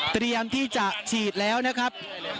เตรียมที่จะฉีดแล้วนะครับ